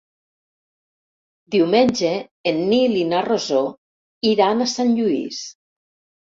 Diumenge en Nil i na Rosó iran a Sant Lluís.